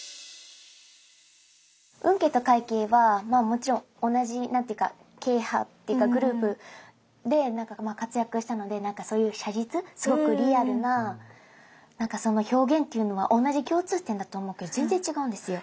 運慶と快慶はもちろん同じ何て言うか慶派っていうかグループで活躍したので写実すごくリアルな表現っていうのは同じ共通点だと思うけど全然違うんですよ。